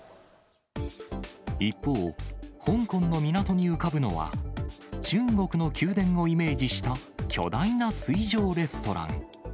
一方、香港の港に浮かぶのは、中国の宮殿をイメージした、巨大な水上レストラン。